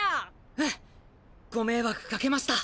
うん！ご迷惑かけました！